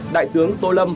đại tướng tô lâm